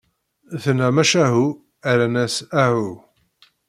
Tenna: "Macahu!" Rran-as: "Ahu."